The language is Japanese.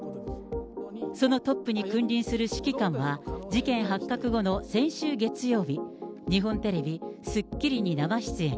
そのトップに君臨する指揮官は、事件発覚後の先週月曜日、日本テレビ、スッキリに生出演。